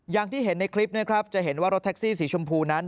อย่างที่เห็นในคลิปนะครับจะเห็นว่ารถแท็กซี่สีชมพูนั้น